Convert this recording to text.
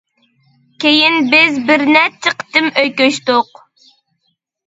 كېيىن بىز بىر نەچچە قېتىم ئۆي كۆچتۇق.